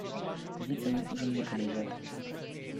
"Widzę, że mnie podejrzewa."